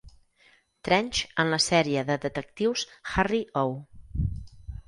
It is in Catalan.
Trench en la sèrie de detectius "Harry O".